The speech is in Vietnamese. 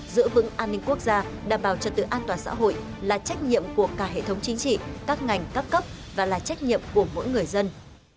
giữ vững an ninh quốc gia đảm bảo trật tự an toàn xã hội là trách nhiệm của cả hệ thống chính trị các ngành các cấp và là trách nhiệm của mỗi người dân